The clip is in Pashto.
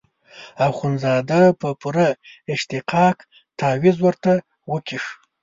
اخندزاده په پوره اشتیاق تاویز ورته وکیښ.